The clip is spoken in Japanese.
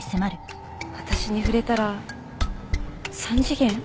私に触れたら三次元？